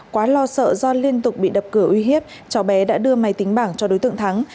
quá lo sợ do liên tục bị đập cửa uy hiếp cháu bé đã đưa máy tính bảng cho đối tượng thắng